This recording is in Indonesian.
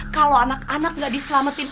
kalau anak anak nggak diselamatin